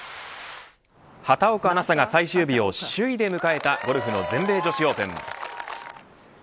畑岡奈紗が最終日を首位で迎えたゴルフの全米女子オープン。